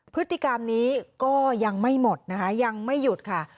พฤติกรรมนี้ก็ยังไม่หมดนะคะยังไม่หยุดค่ะ